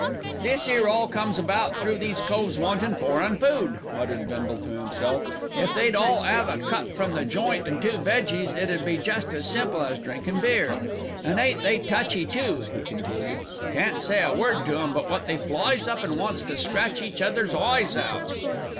"This 'ere all comes about through these coves wantin' foreign food," muttered Bindle to himself. "If they'd all 'ave a cut from the joint and two veges, it 'ud be jest as simple as drinkin' beer. An' ain't they touchy too," he continued. "Can't say a word to 'em, but what they flies up and wants to scratch each other's eyes out."